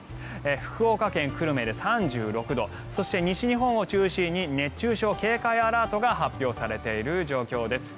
福岡県久留米で３６度そして西日本を中心に熱中症警戒アラートが発表されている状況です。